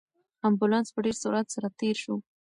امبولانس په ډېر سرعت سره تېر شو.